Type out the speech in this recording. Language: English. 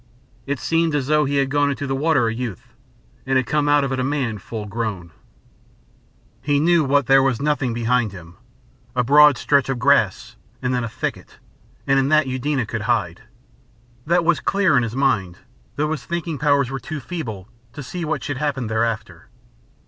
It seemed as though he had gone into the water a youth, and come out of it a man full grown. He knew what there was behind him. A broad stretch of grass, and then a thicket, and in that Eudena could hide. That was clear in his mind, though his thinking powers were too feeble to see what should happen thereafter.